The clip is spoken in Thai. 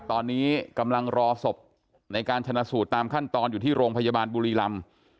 ตอนนี้กำลังรอศพในการชนะสูตรตามขั้นตอนอยู่ที่โรงพยาบาลบุรีลำ